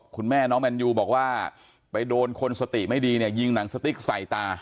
คุณแม่น้องแมนยูบอกว่าไปโดนคนสติไม่ดีเนี่ยยิงหนังสติ๊กใส่ตา